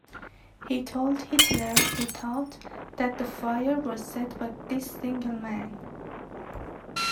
He told Hitler he thought that the fire was set by this single man.